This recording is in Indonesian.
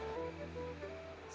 selama pandemi ini